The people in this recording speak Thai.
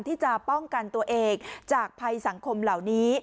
ที่จะป้องกันตัวเองจากภัยสังคมเหล่านี้